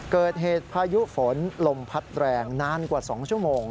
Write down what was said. เกิดเหตุพายุฝนลมพัดแรงนานกว่า๒ชั่วโมง